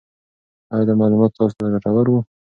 آیا دا معلومات تاسو ته ګټور وو؟